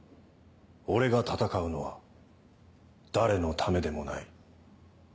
俺が戦うのは誰のためでもない。